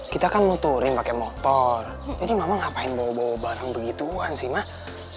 kita kan nuturing pakai motor jadi mama ngapain bawa bawa barang begituan sih mak